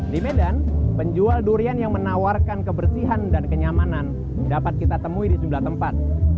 di medan penjual durian yang menawarkan kebersihan dan kenyamanan dapat kita temui di sejumlah tempat